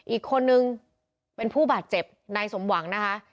อีกคนนึงเป็นผู้บาดเจ็บนายสมหวังนะคะ